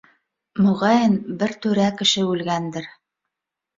Моғайын, бер түрә кеше үлгәндер.